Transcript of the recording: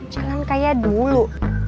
jalan kayak dulu